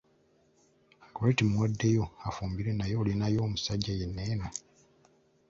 Gorretti mmuwaddeyo afumbirwe naye olinayo omusajja yenna eno?